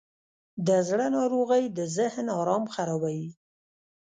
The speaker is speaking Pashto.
د زړه ناروغۍ د ذهن آرام خرابوي.